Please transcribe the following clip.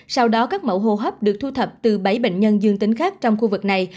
sau đó các mẫu hô hấp được thu thập từ bảy bệnh nhân dương tính khác trong khu vực này